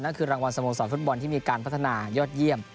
คือรางวัลสโมสรฟุตบอลที่มีการพัฒนายอดเยี่ยม